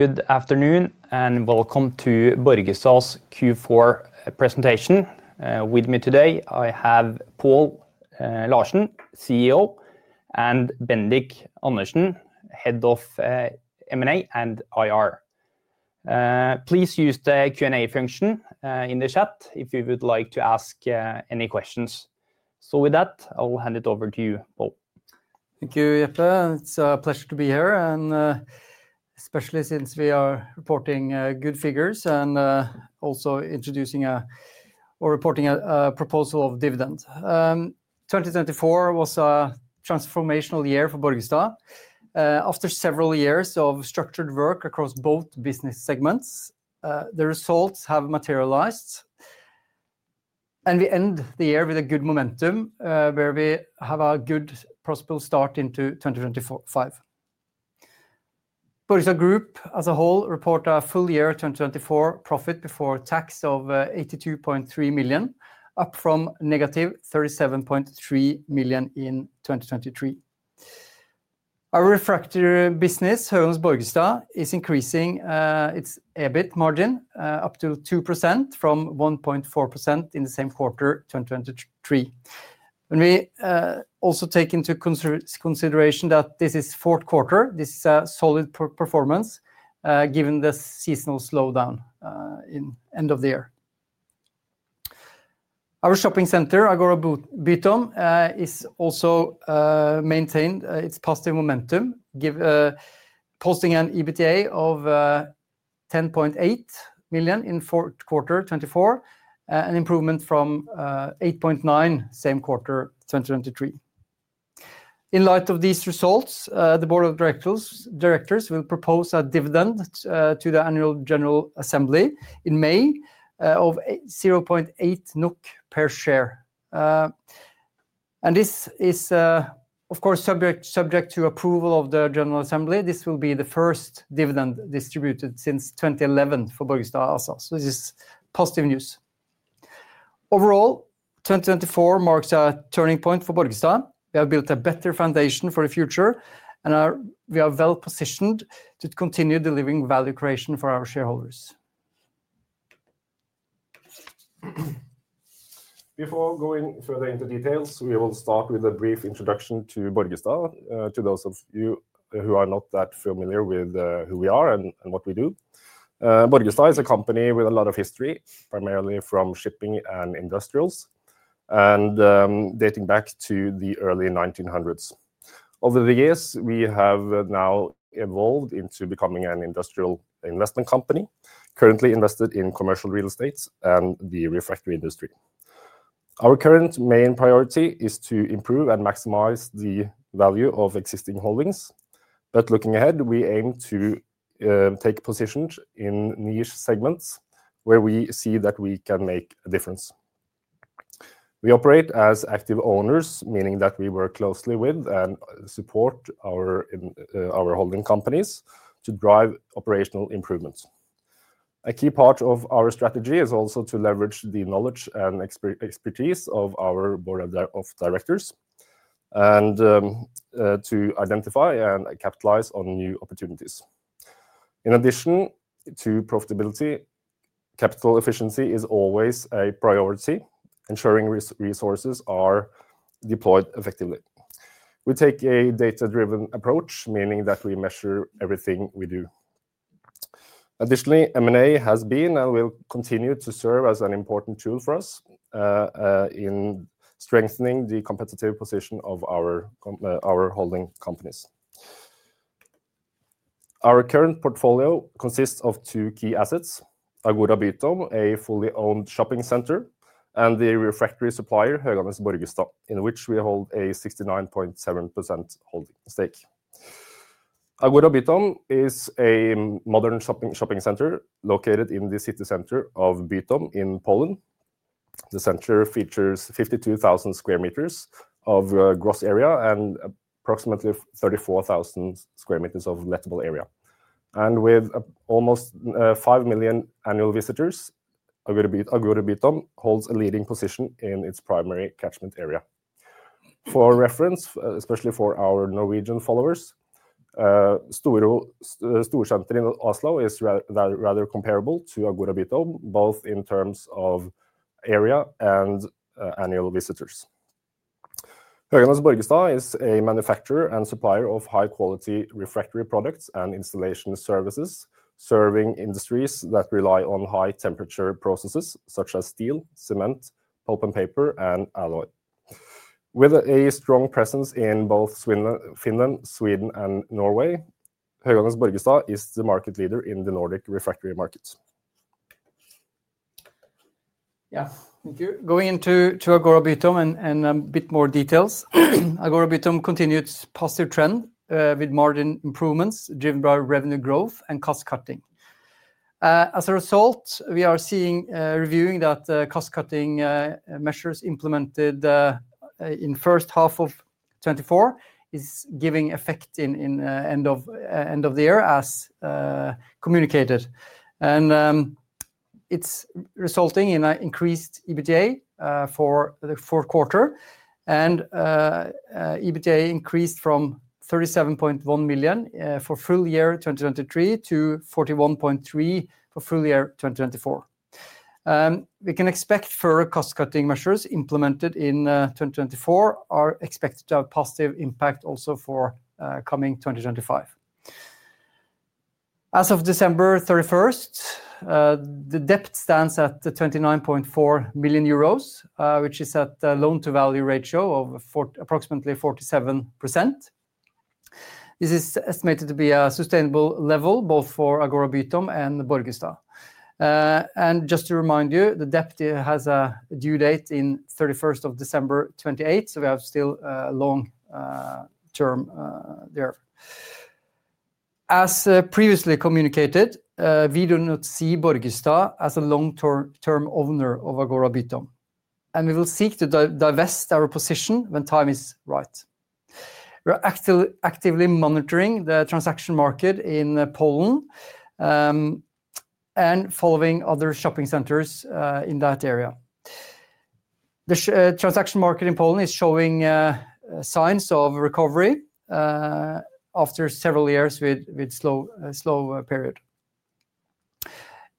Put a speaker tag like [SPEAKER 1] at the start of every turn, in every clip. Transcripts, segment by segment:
[SPEAKER 1] Good afternoon and welcome to Borgestad's Q4 presentation. With me today, I have Pål Larsen, CEO, and Bendik Andersen, Head of M&A and IR. Please use the Q&A function in the chat if you would like to ask any questions. With that, I'll hand it over to you, Pål.
[SPEAKER 2] Thank you, Jeppe. It's a pleasure to be here, and especially since we are reporting good figures and also introducing or reporting a proposal of dividend. 2024 was a transformational year for Borgestad. After several years of structured work across both business segments, the results have materialized, and we end the year with good momentum where we have a good, prosperous start into 2025. Borgestad Group as a whole reported a full year 2024 profit before tax of 82.3 million, up from negative 37.3 million in 2023. Our refractory business, Höganäs Borgestad, is increasing its EBIT margin up to 2% from 1.4% in the same quarter 2023. When we also take into consideration that this is the Q4, this is a solid performance given the seasonal slowdown in the end of the year. Our shopping center, Agora Bytom, is also maintaining its positive momentum, posting an EBITDA of 10.8 million in the Q4 2024, an improvement from 8.9 million same quarter 2023. In light of these results, the board of directors will propose a dividend to the Annual General Assembly in May of 0.8 NOK per share. This is, of course, subject to approval of the General Assembly. This will be the first dividend distributed since 2011 for Borgestad also. So this is positive news. Overall, 2024 marks a turning point for Borgestad. We have built a better foundation for the future, and we are well positioned to continue delivering value creation for our shareholders.
[SPEAKER 3] Before going further into details, we will start with a brief introduction to Borgestad to those of you who are not that familiar with who we are and what we do. Borgestad is a company with a lot of history, primarily from shipping and industrials, dating back to the early 1900s. Over the years, we have now evolved into becoming an industrial investment company, currently invested in commercial real estate and the refractory industry. Our current main priority is to improve and maximize the value of existing holdings. But looking ahead, we aim to take positions in niche segments where we see that we can make a difference. We operate as active owners, meaning that we work closely with and support our holding companies to drive operational improvements. A key part of our strategy is also to leverage the knowledge and expertise of our board of directors and to identify and capitalize on new opportunities. In addition to profitability, capital efficiency is always a priority, ensuring resources are deployed effectively. We take a data-driven approach, meaning that we measure everything we do. Additionally, M&A has been and will continue to serve as an important tool for us in strengthening the competitive position of our holding companies. Our current portfolio consists of two key assets: Agora Bytom, a fully owned shopping center, and the refractory supplier, Höganäs Borgestad, in which we hold a 69.7% stake. Agora Bytom is a modern shopping center located in the city center of Bytom in Poland. The center features 52,000 sq m of gross area and approximately 34,000 sq m of lettable area. With almost 5 million annual visitors, Agora Bytom holds a leading position in its primary catchment area. For reference, especially for our Norwegian followers, Storo Storsenteret i Oslo is rather comparable to Agora Bytom, both in terms of area and annual visitors. Høen Andersen Borgestad is a manufacturer and supplier of high-quality refractory products and installation services, serving industries that rely on high-temperature processes such as steel, cement, pulp and paper, and alloy. With a strong presence in both Finland, Sweden, and Norway, Høen Andersen Borgestad is the market leader in the Nordic refractory market.
[SPEAKER 2] Yes, thank you. Going into Agora Bytom and a bit more details, Agora Bytom continued its positive trend with margin improvements driven by revenue growth and cost cutting. As a result, we are seeing that cost cutting measures implemented in the H1 of 2024 are giving effect at the end of the year, as communicated. It's resulting in an increased EBITDA for the Q4, and EBITDA increased from 37.1 million for full year 2023 to 41.3 million for full year 2024. We can expect further cost cutting measures implemented in 2024 are expected to have a positive impact also for coming 2025. As of 31 December, the debt stands at 29.4 million euros, which is at a loan-to-value ratio of approximately 47%. This is estimated to be a sustainable level both for Agora Bytom and Borgestad. Just to remind you, the debt has a due date on 31 December 2028, so we have still a long term there. As previously communicated, we do not see Borgestad as a long-term owner of Agora Bytom, and we will seek to divest our position when time is right. We are actively monitoring the transaction market in Poland and following other shopping centers in that area. The transaction market in Poland is showing signs of recovery after several years with a slow period.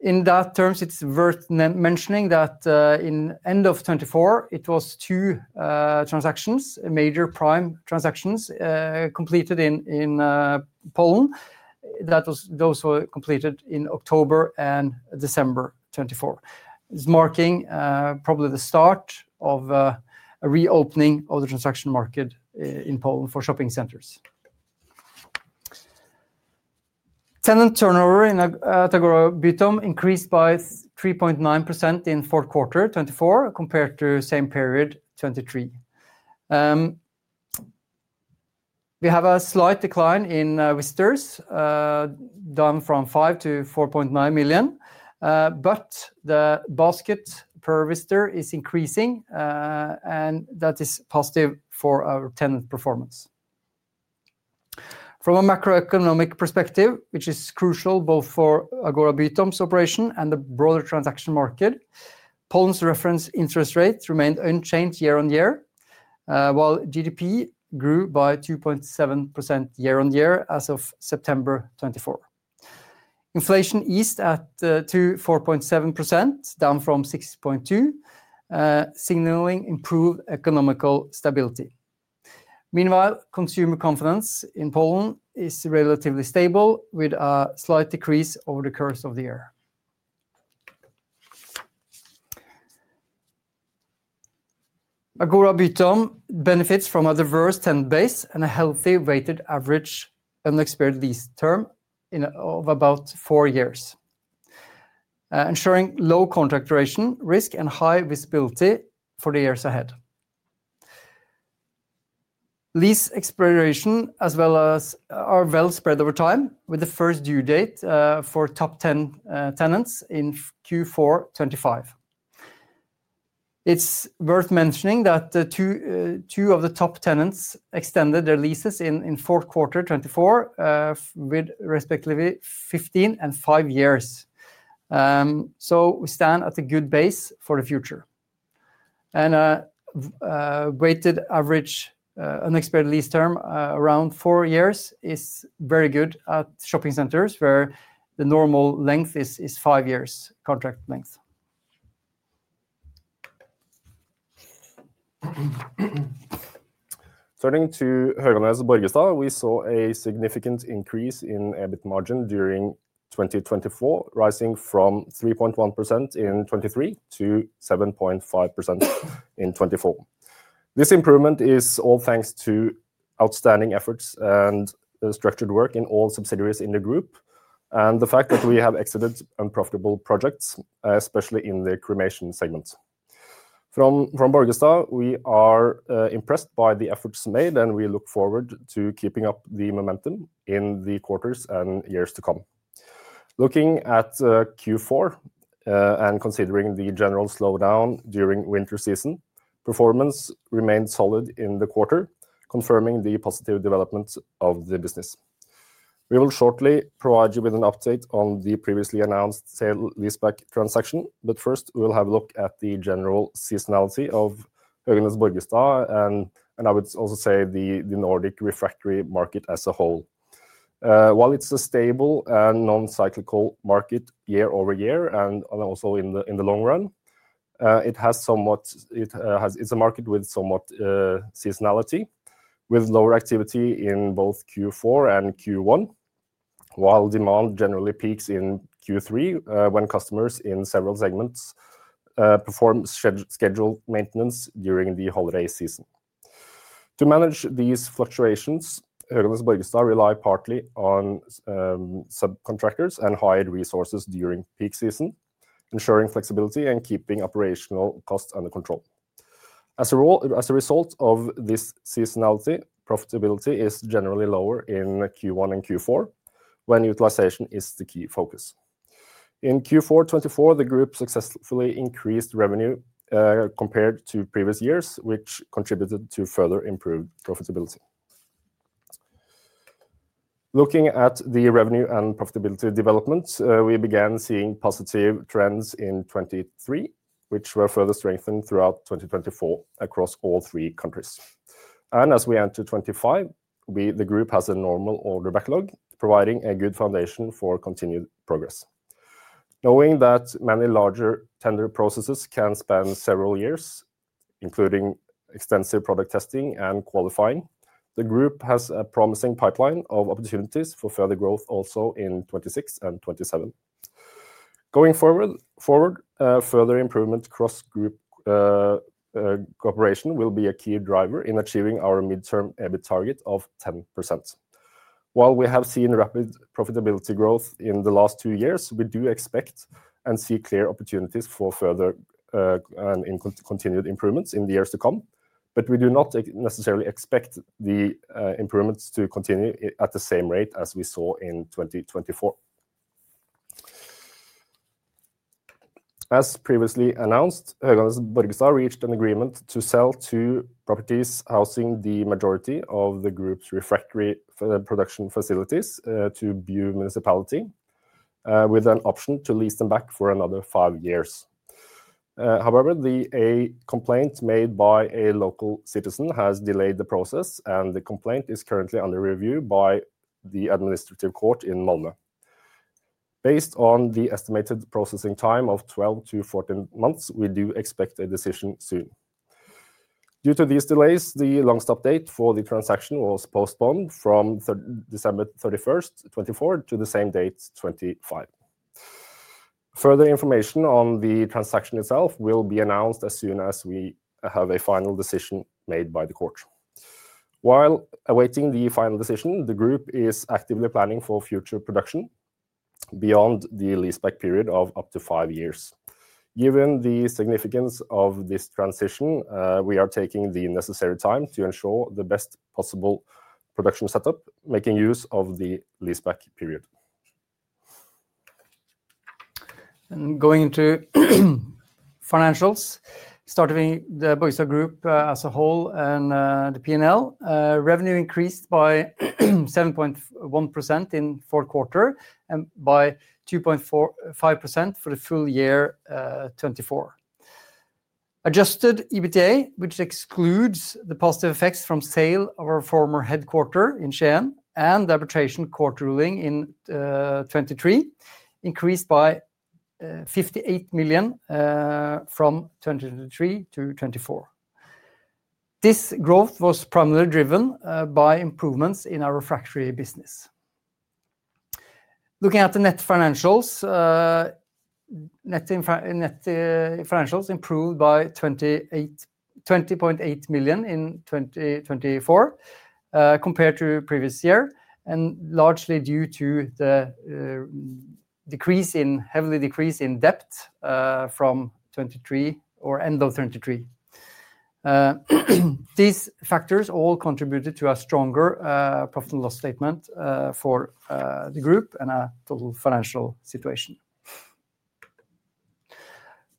[SPEAKER 2] In that terms, it's worth mentioning that in the end of 2024, it was two transactions, major prime transactions completed in Poland. Those were completed in October and December 2024. It's marking probably the start of a reopening of the transaction market in Poland for shopping centers. Tenant turnover at Agora Bytom increased by 3.9% in the Q4 2024 compared to the same period 2023. We have a slight decline in visitors, down from 5 to 4.9 million, but the basket per visitor is increasing, and that is positive for our tenant performance. From a macroeconomic perspective, which is crucial both for Agora Bytom's operation and the broader transaction market, Poland's reference interest rate remained unchanged year on year, while GDP grew by 2.7% year-on-year as of September 2024. Inflation eased at 4.7%, down from 6.2%, signaling improved economic stability. Meanwhile, consumer confidence in Poland is relatively stable with a slight decrease over the course of the year. Agora Bytom benefits from a diverse tenant base and a healthy weighted average under the expiry lease term of about four years, ensuring low contract duration risk and high visibility for the years ahead. Lease expiration, as well as, are well spread over time, with the first due date for top ten tenants in Q4 2025. It's worth mentioning that two of the top tenants extended their leases in the Q4 2024, respectively 15 and 5 years. So we stand at a good base for the future. A weighted average unexpected lease term around four years is very good at shopping centers where the normal length is five years contract length.
[SPEAKER 3] Turning to Høen Andersen Borgestad, we saw a significant increase in EBIT margin during 2024, rising from 3.1% in 2023 to 7.5% in 2024. This improvement is all thanks to outstanding efforts and structured work in all subsidiaries in the group, and the fact that we have exited unprofitable projects, especially in the cremation segment. From Borgestad, we are impressed by the efforts made, and we look forward to keeping up the momentum in the quarters and years to come. Looking at Q4 and considering the general slowdown during winter season, performance remained solid in the quarter, confirming the positive development of the business. We will shortly provide you with an update on the previously announced sale leaseback transaction, but first, we'll have a look at the general seasonality of Høen Andersen Borgestad, and I would also say the Nordic refractory market as a whole. While it's a stable and non-cyclical market year-over-year and also in the long run, it has somewhat seasonality, with lower activity in both Q4 and Q1, while demand generally peaks in Q3 when customers in several segments perform scheduled maintenance during the holiday season. To manage these fluctuations, Høen Andersen Borgestad relied partly on subcontractors and hired resources during peak season, ensuring flexibility and keeping operational costs under control. As a result of this seasonality, profitability is generally lower in Q1 and Q4 when utilization is the key focus. In Q4 2024, the group successfully increased revenue compared to previous years, which contributed to further improved profitability. Looking at the revenue and profitability development, we began seeing positive trends in 2023, which were further strengthened throughout 2024 across all three countries. As we enter 2025, the group has a normal order backlog, providing a good foundation for continued progress. Knowing that many larger tender processes can span several years, including extensive product testing and qualifying, the group has a promising pipeline of opportunities for further growth also in 2026 and 2027. Going forward, further improvement across group cooperation will be a key driver in achieving our midterm EBIT target of 10%. While we have seen rapid profitability growth in the last two years, we do expect and see clear opportunities for further and continued improvements in the years to come, but we do not necessarily expect the improvements to continue at the same rate as we saw in 2024. As previously announced, Høen Andersen Borgestad reached an agreement to sell two properties housing the majority of the group's refractory production facilities to Bjuv Municipality, with an option to lease them back for another five years. However, a complaint made by a local citizen has delayed the process, and the complaint is currently under review by the administrative court in Malmö. Based on the estimated processing time of 12 to 14 months, we do expect a decision soon. Due to these delays, the long stop date for the transaction was postponed from 31 December 2024, to the same date, 2025. Further information on the transaction itself will be announced as soon as we have a final decision made by the court. While awaiting the final decision, the group is actively planning for future production beyond the leaseback period of up to five years. Given the significance of this transition, we are taking the necessary time to ensure the best possible production setup, making use of the leaseback period.
[SPEAKER 2] Going into financials, starting with the Borgestad Group as a whole and the P&L, revenue increased by 7.1% in the Q4 and by 2.5% for the full year 2024. Adjusted EBITDA, which excludes the positive effects from sale of our former headquarter in Skien, and arbitration court ruling in 2023, increased by 58 million from 2023 to 2024. This growth was primarily driven by improvements in our refractory business. Looking at the net financials, net financials improved by 20.8 million in 2024 compared to the previous year, largely due to the heavily decreased debt from 2023 or end of 2023. These factors all contributed to a stronger profit and loss statement for the group and a total financial situation.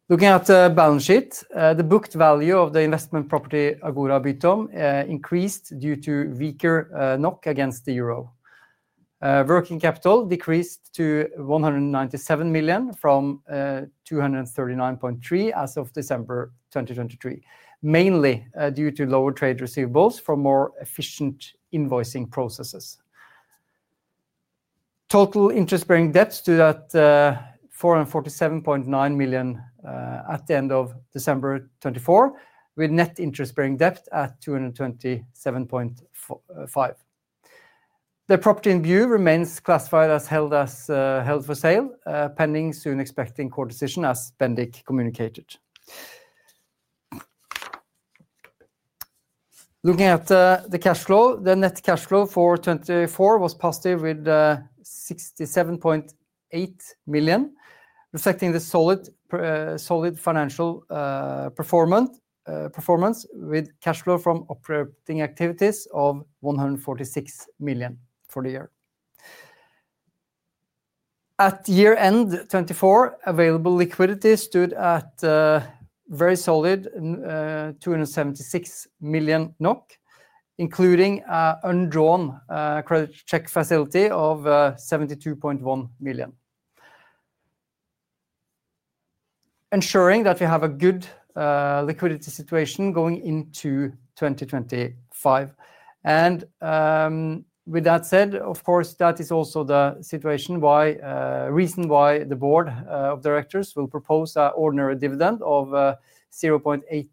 [SPEAKER 2] Looking at the balance sheet, the booked value of the investment property Agora Bytom increased due to weaker NOK against the EUR. Working capital decreased to 197 million from 239.3 million as of December 2023, mainly due to lower trade receivables for more efficient invoicing processes. Total interest-bearing debt stood at 447.9 million at the end of December 2024, with net interest-bearing debt at 227.5 million. The property in Bjuv remains classified as held for sale, pending soon expecting court decision, as Bendik communicated. Looking at the cash flow, the net cash flow for 2024 was positive with 67.8 million, reflecting the solid financial performance with cash flow from operating activities of 146 million for the year. At year-end 2024, available liquidity stood at very solid 276 million NOK, including an undrawn credit facility of 72.1 million, ensuring that we have a good liquidity situation going into 2025. With that said, of course, that is also the reason why the board of directors will propose an ordinary dividend of 0.8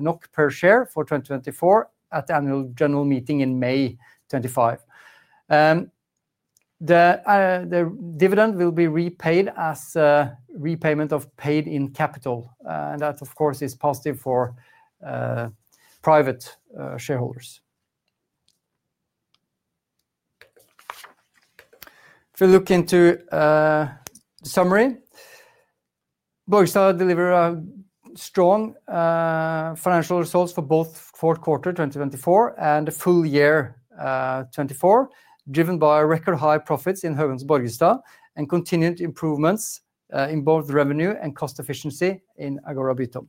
[SPEAKER 2] NOK per share for 2024 at the annual general meeting in May 2025. The dividend will be repaid as repayment of paid-in capital, and that, of course, is positive for private shareholders. If we look into the summary, Borgestad delivered strong financial results for both the Q4 2024 and the full year 2024, driven by record-high profits in Høen Andersen Borgestad and continued improvements in both revenue and cost efficiency in Agora Bytom.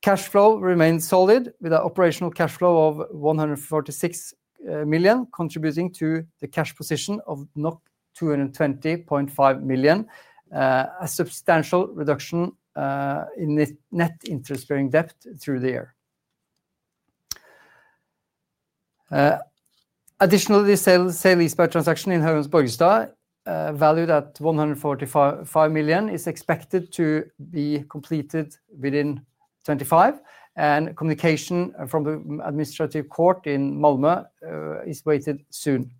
[SPEAKER 2] Cash flow remained solid with an operational cash flow of 146 million, contributing to the cash position of 220.5 million, a substantial reduction in net interest-bearing debt through the year. Additionally, the sale leaseback transaction in Høen Andersen Borgestad, valued at 145 million, is expected to be completed within 2025, and communication from the administrative court in Malmö is awaited soon.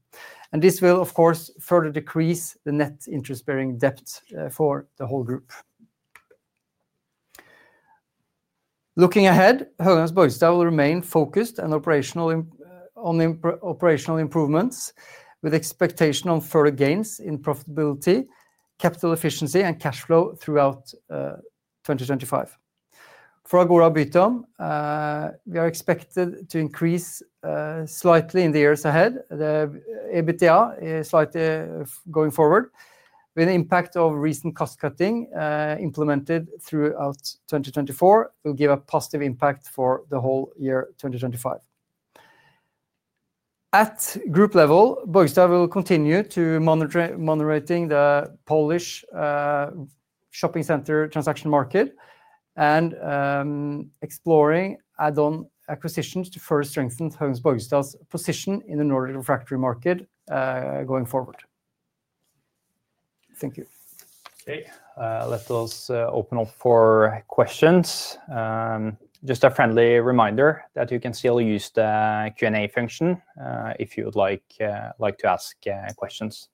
[SPEAKER 2] This will, of course, further decrease the net interest-bearing debt for the whole group. Looking ahead, Høen Andersen Borgestad will remain focused on operational improvements, with expectation of further gains in profitability, capital efficiency, and cash flow throughout 2025. For Agora Bytom, we are expected to increase slightly in the years ahead. The EBITDA is slightly going forward, with the impact of recent cost cutting implemented throughout 2024 will give a positive impact for the whole year 2025. At group level, Borgestad will continue to monitor the Polish shopping center transaction market and explore add-on acquisitions to further strengthen Høen Andersen Borgestad's position in the Nordic refractory market going forward. Thank you.
[SPEAKER 1] Okay, let us open up for questions. Just a friendly reminder that you can still use the Q&A function if you would like to ask questions.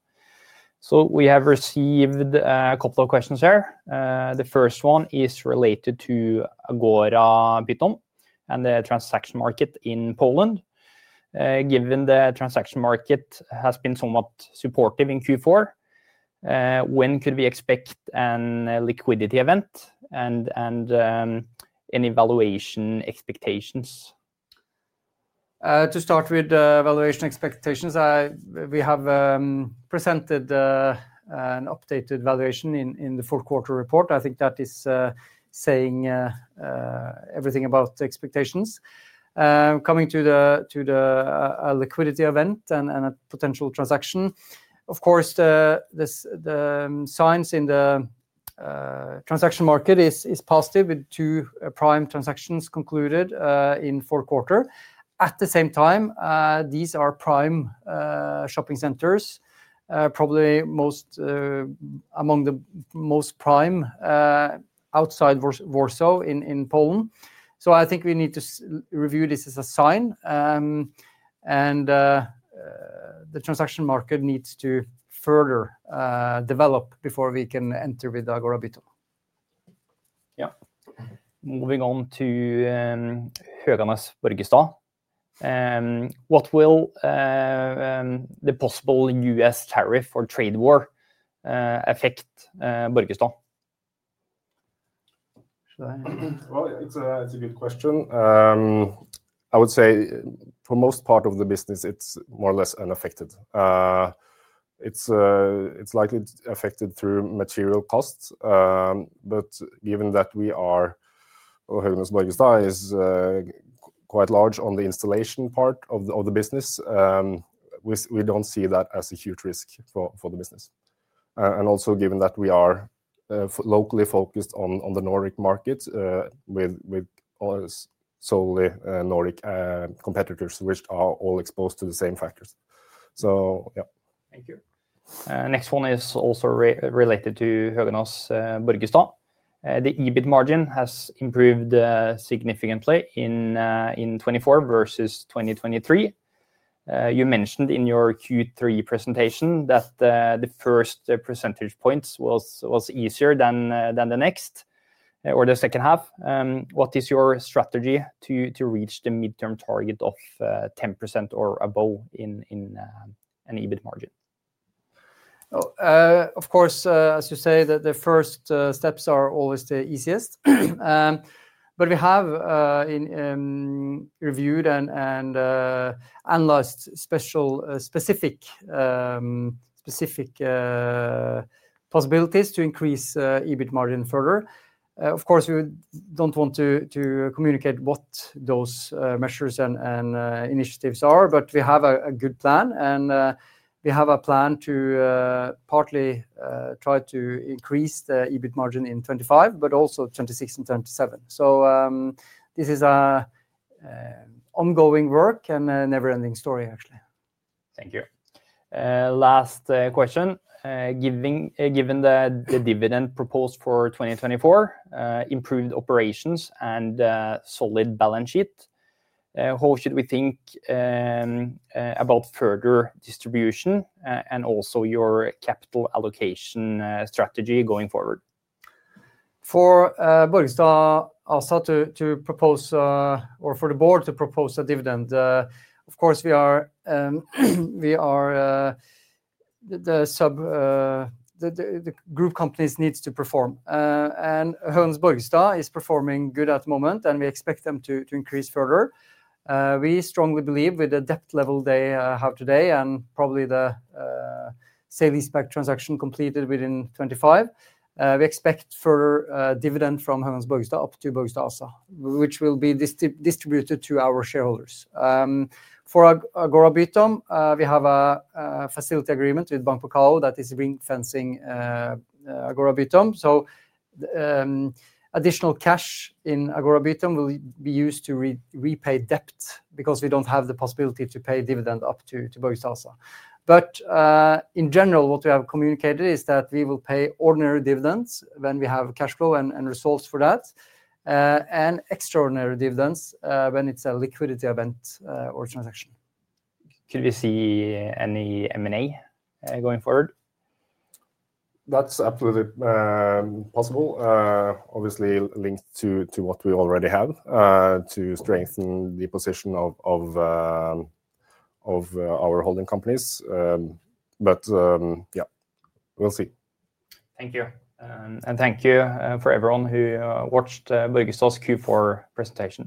[SPEAKER 1] We have received a couple of questions here. The first one is related to Agora Bytom and the transaction market in Poland. Given the transaction market has been somewhat supportive in Q4, when could we expect a liquidity event and any valuation expectations?
[SPEAKER 2] To start with valuation expectations, we have presented an updated valuation in the Q4 report. I think that is saying everything about expectations. Coming to the liquidity event and a potential transaction, of course, the signs in the transaction market are positive, with two prime transactions concluded in the Q4. At the same time, these are prime shopping centers, probably among the most prime outside Warsaw in Poland. I think we need to review this as a sign, and the transaction market needs to further develop before we can enter with Agora Bytom.
[SPEAKER 1] Yeah. Moving on to Høen Andersen Borgestad. What will the possible U.S. tariff or trade war affect Borgestad?
[SPEAKER 3] It's a good question. I would say for the most part of the business, it's more or less unaffected. It's likely affected through material costs, but given that Høen Andersen Borgestad is quite large on the installation part of the business, we don't see that as a huge risk for the business. Also, given that we are locally focused on the Nordic market with solely Nordic competitors, which are all exposed to the same factors. So yeah.
[SPEAKER 1] Thank you. Next one is also related to Høen Andersen Borgestad. The EBIT margin has improved significantly in 2024 versus 2023. You mentioned in your Q3 presentation that the first percentage point was easier than the next or the H2. What is your strategy to reach the midterm target of 10% or above in EBIT margin?
[SPEAKER 2] Of course, as you say, the first steps are always the easiest, but we have reviewed and analyzed specific possibilities to increase the EBIT margin further. Of course, we don't want to communicate what those measures and initiatives are, but we have a good plan, and we have a plan to partly try to increase the EBIT margin in 2025, but also 2026 and 2027. This is ongoing work and a never-ending story, actually.
[SPEAKER 1] Thank you. Last question. Given the dividend proposed for 2024, improved operations, and a solid balance sheet, how should we think about further distribution and also your capital allocation strategy going forward?
[SPEAKER 2] For Borgestad to propose, or for the board to propose a dividend, of course, the group companies need to perform. Høen Andersen Borgestad is performing well at the moment, and we expect them to increase further. We strongly believe with the debt level they have today and probably the sale leaseback transaction completed within 2025, we expect further dividend from Høen Andersen Borgestad up to Borgestad ASA, which will be distributed to our shareholders. For Agora Bytom, we have a facility agreement with Bank Pekao that is ring-fencing Agora Bytom. Additional cash in Agora Bytom will be used to repay debt because we don't have the possibility to pay dividend up to Borgestad ASA. In general, what we have communicated is that we will pay ordinary dividends when we have cash flow and results for that, and extraordinary dividends when it's a liquidity event or transaction.
[SPEAKER 1] Could we see any M&A going forward?
[SPEAKER 3] That's absolutely possible, obviously linked to what we already have to strengthen the position of our holding companies. But yeah, we'll see.
[SPEAKER 1] Thank you. And thank you for everyone who watched Borgestad's Q4 presentation.